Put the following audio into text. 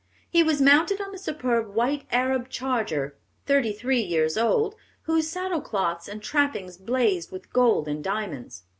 He was mounted on a superb white Arab charger, thirty three years old, whose saddle cloths and trappings blazed with gold and diamonds.